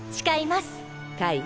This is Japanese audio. カイ